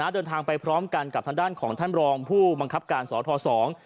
เดินทางไปพร้อมกันกับทางด้านของท่านรองผู้บังคับการสอทอสอง